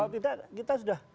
kalau tidak kita sudah